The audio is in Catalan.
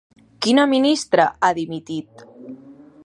Quina ministra ha dimitit?